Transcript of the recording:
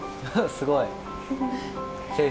すごい。